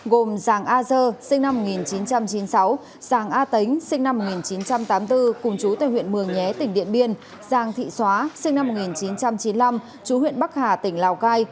gồm giàng a dơ sinh năm một nghìn chín trăm chín mươi sáu giàng a tính sinh năm một nghìn chín trăm tám mươi bốn cùng chú tại huyện mường nhé tỉnh điện biên giàng thị xóa sinh năm một nghìn chín trăm chín mươi năm chú huyện bắc hà tỉnh lào cai